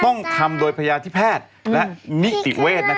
ต้องทำโดยพยาธิแพทย์และนิติเวศ